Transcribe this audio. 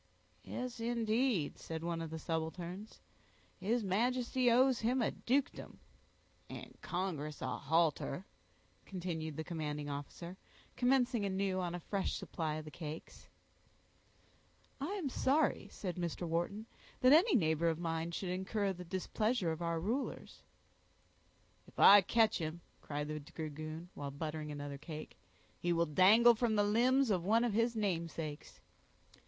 "Yes, indeed," said one of the subalterns, "his Majesty owes him a dukedom." "And congress a halter," continued the commanding officer commencing anew on a fresh supply of the cakes. "I am sorry," said Mr. Wharton, "that any neighbor of mine should incur the displeasure of our rulers." "If I catch him," cried the dragoon, while buttering another cake, "he will dangle from the limbs of one of his namesakes."